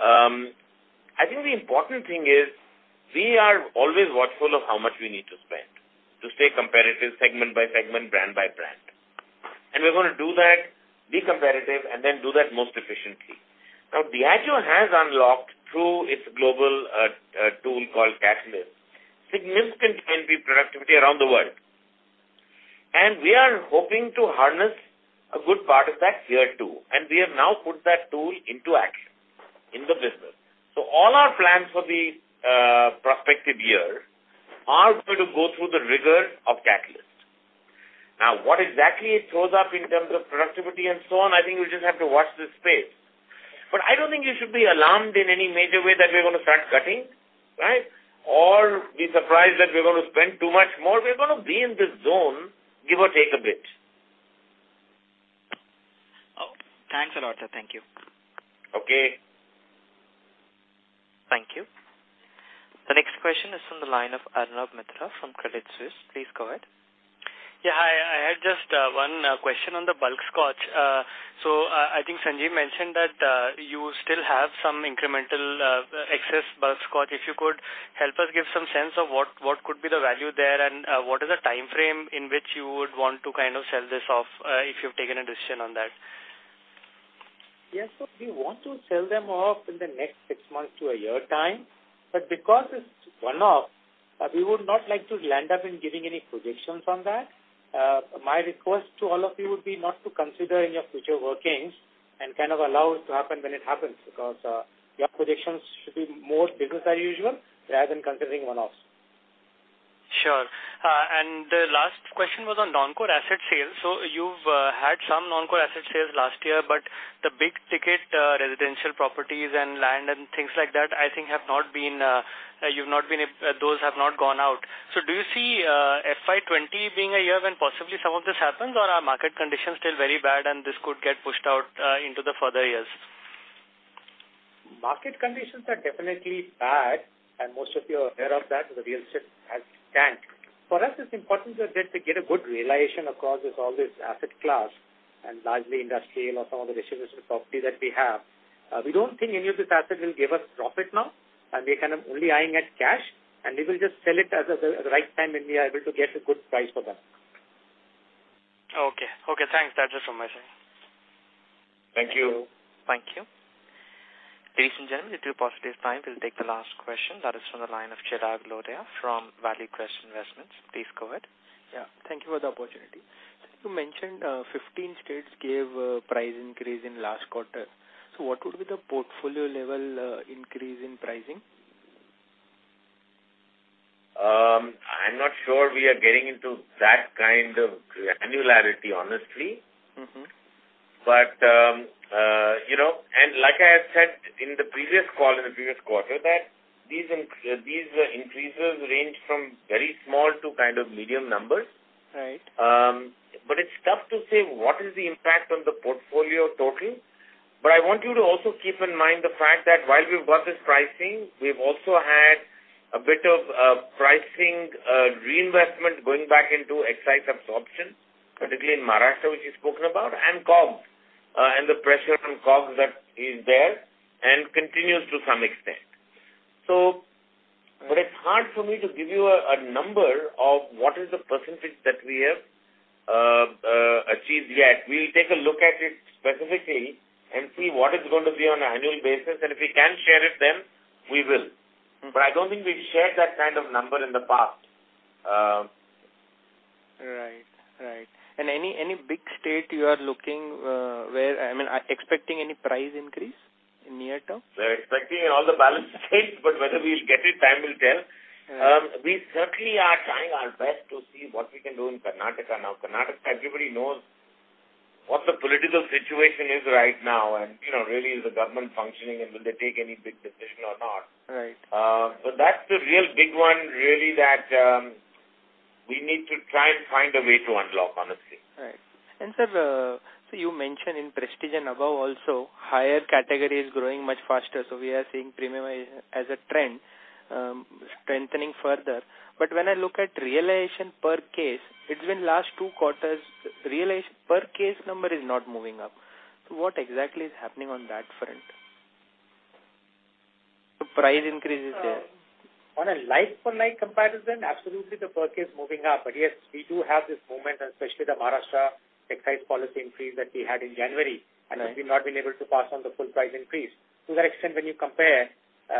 I think the important thing is we are always watchful of how much we need to spend to stay competitive segment by segment, brand by brand. And we're going to do that, be competitive, and then do that most efficiently. Now, Diageo has unlocked through its global tool called Catalyst significant ANP productivity around the world. And we are hoping to harness a good part of that here too. And we have now put that tool into action in the business. So all our plans for the prospective year are going to go through the rigor of Catalyst. Now, what exactly it throws up in terms of productivity and so on, I think we just have to watch this space. But I don't think you should be alarmed in any major way that we're going to start cutting, right? Or be surprised that we're going to spend too much more. We're going to be in this zone, give or take a bit. Thanks a lot, sir. Thank you. Okay. Thank you. The next question is from the line of Arnab Mitra from Credit Suisse. Please go ahead. Yeah. Hi. I had just one question on the bulk Scotch. So I think Sanjeev mentioned that you still have some incremental excess bulk Scotch. If you could help us give some sense of what could be the value there and what is the time frame in which you would want to kind of sell this off if you've taken a decision on that? Yes, so we want to sell them off in the next six months to a year time, but because it's one-off, we would not like to land up in giving any projections on that. My request to all of you would be not to consider in your future workings and kind of allow it to happen when it happens because your projections should be more business as usual rather than considering one-offs. Sure. And the last question was on non-core asset sales. So you've had some non-core asset sales last year, but the big-ticket residential properties and land and things like that, I think, have not been. Those have not gone out. So do you see FY20 being a year when possibly some of this happens, or are market conditions still very bad and this could get pushed out into the further years? Market conditions are definitely bad, and most of you are aware of that. The real estate has tanked. For us, it's important to get a good realization across all these asset classes and largely industrial or some of the residential property that we have. We don't think any of this asset will give us profit now, and we're kind of only eyeing at cash, and we will just sell it at the right time when we are able to get a good price for them. Okay. Okay. Thanks. That's it from my side. Thank you. Thank you. Ladies and gentlemen, it is a positive time. We'll take the last question. That is from the line of Chetan Vora from ValueQuest Investments. Please go ahead. Yeah. Thank you for the opportunity. You mentioned 15 states gave a price increase in last quarter. So what would be the portfolio level increase in pricing? I'm not sure we are getting into that kind of granularity, honestly. But and like I had said in the previous call in the previous quarter, that these increases range from very small to kind of medium numbers. But it's tough to say what is the impact on the portfolio total. But I want you to also keep in mind the fact that while we've got this pricing, we've also had a bit of pricing reinvestment going back into excise absorption, particularly in Maharashtra, which you've spoken about, and COGS and the pressure on COGS that is there and continues to some extent. So but it's hard for me to give you a number of what is the percentage that we have achieved yet. We'll take a look at it specifically and see what it's going to be on an annual basis. If we can share it, then we will. I don't think we've shared that kind of number in the past. Right. Right. And any big state you are looking where I mean, expecting any price increase in near term? We're expecting in all the balance states, but whether we'll get it, time will tell. We certainly are trying our best to see what we can do in Karnataka now. Karnataka, everybody knows what the political situation is right now and really the government functioning and will they take any big decision or not. But that's the real big one, really, that we need to try and find a way to unlock, honestly. Right. And sir, so you mentioned in Prestige & Above also, higher category is growing much faster. So we are seeing premium as a trend strengthening further. But when I look at realization per case, it's been last two quarters, realization per case number is not moving up. What exactly is happening on that front? The price increase is there. On a like-for-like comparison, absolutely the per case is moving up. But yes, we do have this moment, especially the Maharashtra excise policy increase that we had in January. And we've not been able to pass on the full price increase. To that extent, when you compare,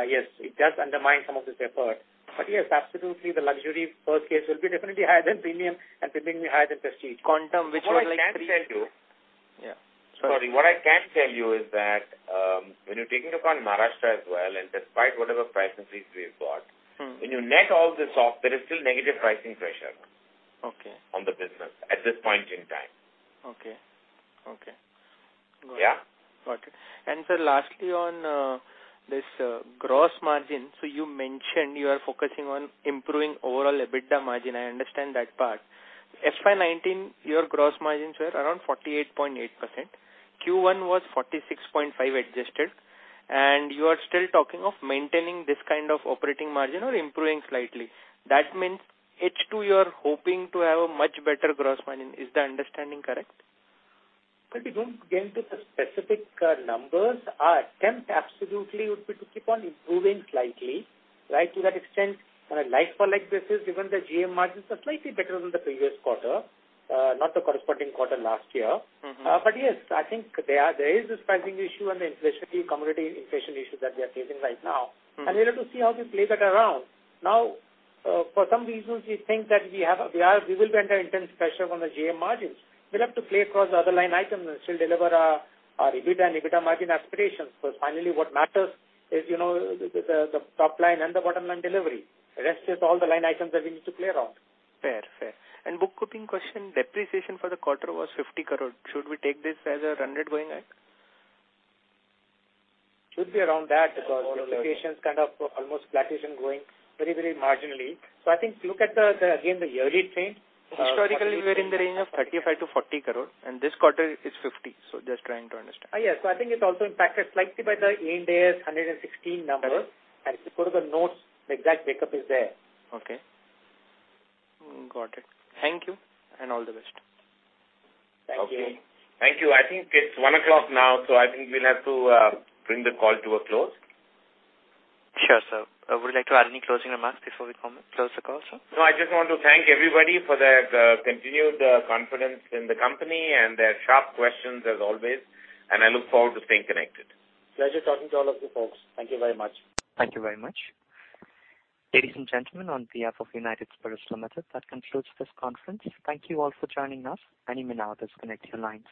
yes, it does undermine some of this effort. But yes, absolutely, the luxury per case will be definitely higher than premium and will be higher than Prestige. Quantum, which was like three. What I can tell you is that when you're taking into account Maharashtra as well, and despite whatever price increase we've got, when you net all this off, there is still negative pricing pressure on the business at this point in time. Okay. Okay. Good. Yeah? Got it. And sir, lastly on this gross margin, so you mentioned you are focusing on improving overall EBITDA margin. I understand that part. FY19, your gross margins were around 48.8%. Q1 was 46.5% adjusted. And you are still talking of maintaining this kind of operating margin or improving slightly. That means H2, you're hoping to have a much better gross margin. Is the understanding correct? But we don't get into the specific numbers. Our attempt absolutely would be to keep on improving slightly, right? To that extent, on a like-for-like basis, even the GM margins are slightly better than the previous quarter, not the corresponding quarter last year. But yes, I think there is this pricing issue and the inflationary commodity inflation issue that we are facing right now. And we'll have to see how we play that around. Now, for some reasons, we think that we will be under intense pressure on the GM margins. We'll have to play across the other line items and still deliver our EBITDA and EBITDA margin aspirations. Because finally, what matters is the top line and the bottom line delivery. The rest is all the line items that we need to play around. Fair. Fair. And bookkeeping question, depreciation for the quarter was 50 crore. Should we take this as a run rate going up? Should be around that because depreciation is kind of almost flattish and going very, very marginally. So I think look at the, again, the yearly trade. Historically, we were in the range of 35-40 crore. And this quarter is 50 crore. So just trying to understand. Yes. So I think it's also impacted slightly by the Ind AS 116. And if you go to the notes, the exact breakup is there. Okay. Got it. Thank you and all the best. Thank you. Thank you. I think it's 1 o'clock now, so I think we'll have to bring the call to a close. Sure, sir. Would you like to add any closing remarks before we close the call, sir? No, I just want to thank everybody for the continued confidence in the company and their sharp questions as always. And I look forward to staying connected. Pleasure talking to all of you folks. Thank you very much. Thank you very much. Ladies and gentlemen, on behalf of United Spirits Limited, that concludes this conference. Thank you all for joining us. Any minute, I'll disconnect your lines.